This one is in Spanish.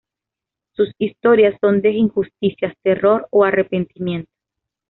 Sus historias son de injusticias, terror o arrepentimiento.